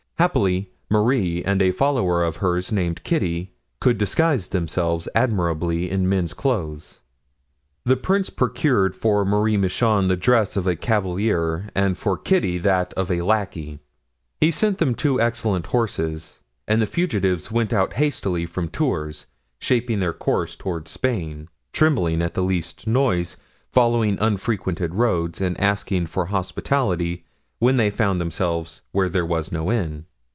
Happily Marie and a follower of hers named Kitty could disguise themselves admirably in men's clothes. The prince procured for Marie Michon the dress of a cavalier and for Kitty that of a lackey; he sent them two excellent horses, and the fugitives went out hastily from Tours, shaping their course toward Spain, trembling at the least noise, following unfrequented roads, and asking for hospitality when they found themselves where there was no inn."